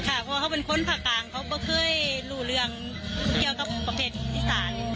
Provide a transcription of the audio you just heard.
เพราะเขาเป็นคนภาคกลางเขาก็เคยรู้เรื่องเกี่ยวกับประเภทอีสาน